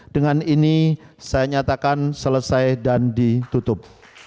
dengan ini saya nyatakan selesai dan ditutup